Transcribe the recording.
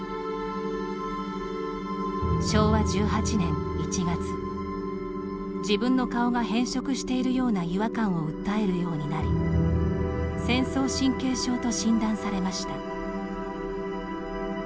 昭和１８年１月自分の顔が変色しているような違和感を訴えるようになり戦争神経症と診断されました。